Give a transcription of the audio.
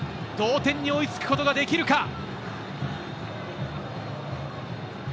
同点に追いつくことができるか？